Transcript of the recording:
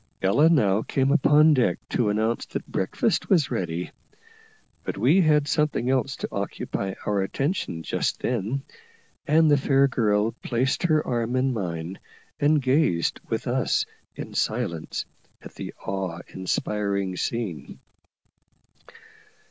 Ella now came upon deck to announce that breakfast was ready, but we had something else to occupy our attention just then; and the fair girl placed her arm in mine, and gazed with us in silence at the awe inspiring scene.